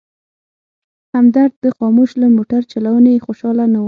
همدرد د خاموش له موټر چلونې خوشحاله نه و.